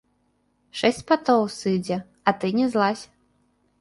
Шэсць патоў сыдзе, а ты не злазь.